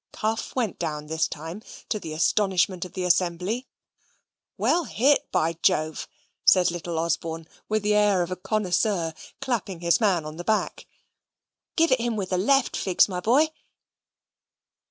Cuff went down this time, to the astonishment of the assembly. "Well hit, by Jove," says little Osborne, with the air of a connoisseur, clapping his man on the back. "Give it him with the left, Figs my boy."